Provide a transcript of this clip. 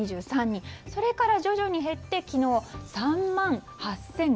それから徐々に減って、昨日３万８０５７人。